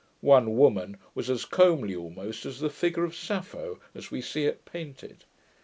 One woman was as comely almost as the figure of Sappho, as we see it painted.